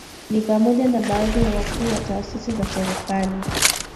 Ni pamoja na baadhi ya wakuu wa taasisi za serikali